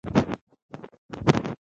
آتشبازي ته په پښتو کې اورلوبه وايي.